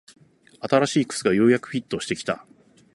新しい靴がようやくフィットしてきた